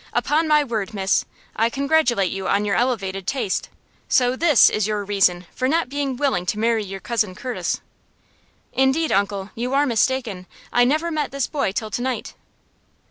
"Upon my word, miss, I congratulate you on your elevated taste. So this is your reason for not being willing to marry your Cousin Curtis?" "Indeed, uncle, you are mistaken. I never met this boy till to night."